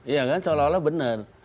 iya kan seolah olah benar